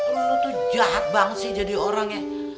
lu tuh jahat banget sih jadi orangnya